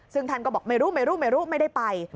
สังทานก็บอกไม่รู้ไม่ได้ไป